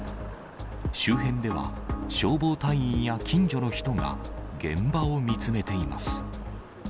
周辺では、消防隊員や近所の人が、現場を見つめています。